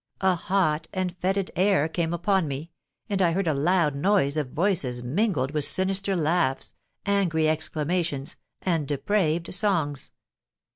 A hot and fetid air came upon me, and I heard a loud noise of voices mingled with sinister laughs, angry exclamations, and depraved songs.